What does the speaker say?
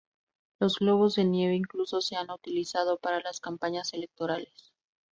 Los globos de nieve incluso se han utilizado para las campañas electorales.